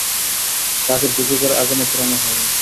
তাকে দোযখের আগুনে পোড়ানো হবে।